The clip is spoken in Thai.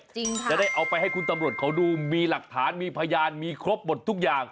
จะได้เอาไปให้คุณตำรวจเขาดูมีหลักฐานมีพยานมีครบหมดทุกอย่าง